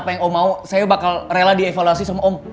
dan apa yang om mau saya bakal rela dievaluasi sama om